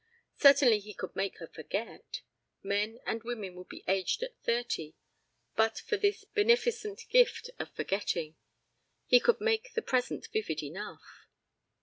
Certainly he could make her forget. Men and women would be aged at thirty, but for this beneficent gift of forgetting. ... He could make the present vivid enough.